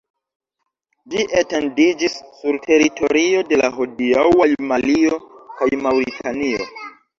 Ĝi etendiĝis sur teritorio de la hodiaŭaj Malio kaj Maŭritanio.